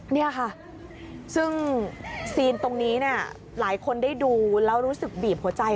นี่ค่ะซึ่งซีนตรงนี้เนี่ยหลายคนได้ดูแล้วรู้สึกบีบหัวใจ